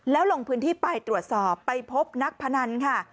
แล้วลงพื้นที่ไปตรวจสอบไปพบนักพนันค่ะ